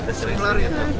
sudah sering sering gitu